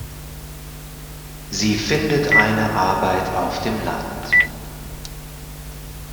Sie findet eine Arbeit auf dem Land.